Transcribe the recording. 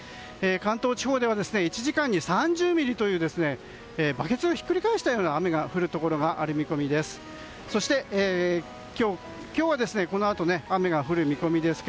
関東地方では１時間に３０ミリというバケツをひっくり返したような雨が降るところもある見込みです。